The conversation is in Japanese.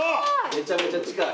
めちゃめちゃ近い。